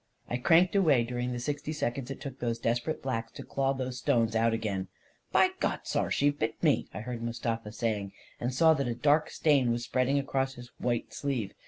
. I cranked away during the sixty seconds it took those desperate blacks to claw those stones out again ..." By God, saar, she bit me !" I heard Mustafa saying, and saw that a dark stain was spreading across his white sleeve.